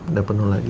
udah penuh lagi